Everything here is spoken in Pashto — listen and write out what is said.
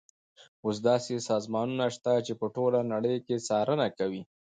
اوس داسې سازمانونه شته چې په ټوله نړۍ کې څارنه کوي.